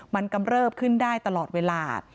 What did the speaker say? มันกำเริบขึ้นได้ตลอดเวลา